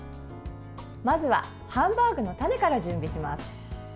まずは、ハンバーグのタネから準備します。